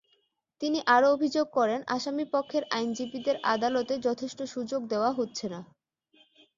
তিনি আরও অভিযোগ করেন, আসামিপক্ষের আইনজীবীদের আদালতে যথেষ্ট সুযোগ দেওয়া হচ্ছে না।